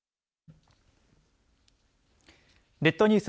列島ニュース